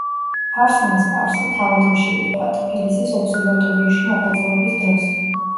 ფარსმან სპარსი თავადვე შეირქვა, ტფილისის ობსერვატორიაში მოღვაწეობის დროს.